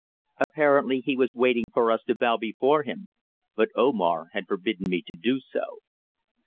Apparently he was waiting for us to bow before him, but Omar had forbidden me to do so.